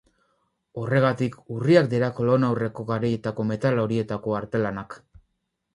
Horregatik, urriak dira kolonaurreko garaietako metal horietako artelanak.